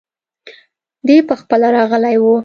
دی پخپله راغلی وو.